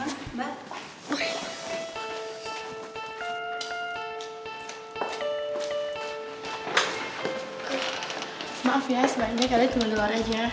maaf ya sebanyak kali cuma keluar aja